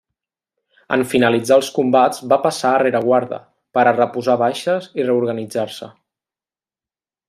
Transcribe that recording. En finalitzar els combats va passar a rereguarda, per a reposar baixes i reorganitzar-se.